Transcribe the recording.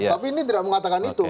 tapi ini tidak mengatakan itu